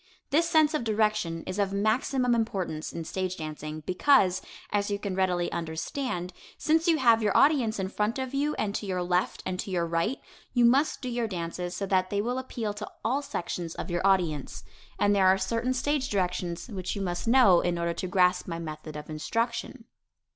This sense of direction is of maximum importance in stage dancing, because, as you can readily understand, since you have your audience in front of you and to your left and your right, you must do your dances so that they will appeal to all sections of your audience. And there are certain stage directions which you must know in order to grasp my method of instruction.